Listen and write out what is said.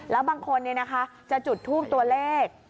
แล้วบางคนจะจุดทูปตัวเลข